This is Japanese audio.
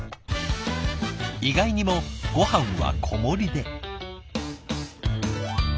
意外にもごはんは小盛りで。